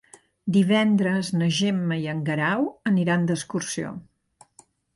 Divendres na Gemma i en Guerau aniran d'excursió.